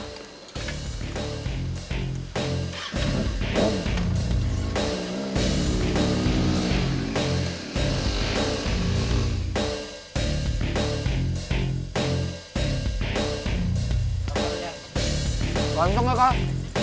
lantung ya kak